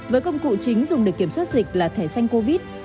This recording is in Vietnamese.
với công cụ chính dùng để kiểm soát dịch là thẻ xanh covid